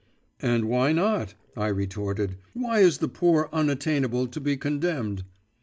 'And why not?' I retorted. 'Why is the poor unattainable to be condemned?